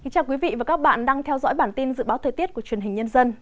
chào quý vị và các bạn đang theo dõi bản tin dự báo thời tiết của truyền hình nhân dân